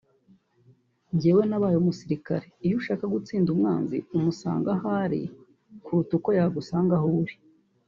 “Njye nabaye umusirikare… iyo ushaka gutsinda umwanzi umusanga aho ari kuruta uko yagusanga aho uri